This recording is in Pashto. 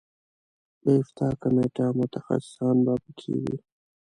د افتا کمیټه متخصصان به په کې وي.